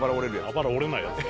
「あばら折れないやつ」